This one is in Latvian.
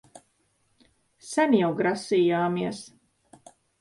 Sen jau grasījāmies...